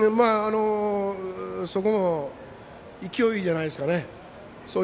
そこも勢いじゃないですかね。